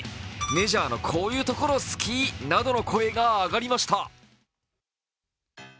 メジャーのこういうとこ好きなどの声が上がりました。